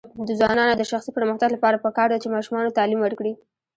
د ځوانانو د شخصي پرمختګ لپاره پکار ده چې ماشومانو تعلیم ورکړي.